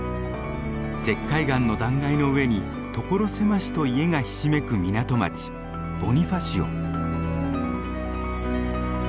石灰岩の断崖の上に所狭しと家がひしめく港町ボニファシオ。